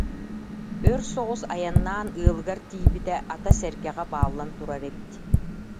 Өр соҕус айаннаан ыалыгар тиийбитэ, ата сэргэҕэ бааллан турар эбит